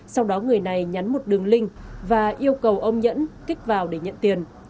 sau đó người này nhắn một đường link và yêu cầu ông nhẫn kích vào để nhận tiền